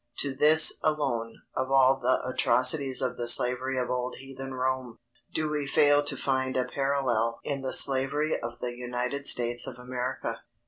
_ To this alone, of all the atrocities of the slavery of old heathen Rome, do we fail to find a parallel in the slavery of the United States of America.